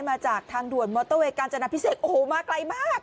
มาจากทางด่วนมอเตอร์เวย์การจนาพิเศษโอ้โหมาไกลมาก